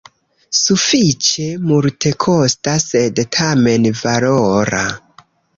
Sufiĉe multekosta sed tamen valora.